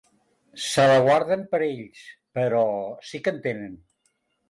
Se la guarden per a ells, però sí que en tenen.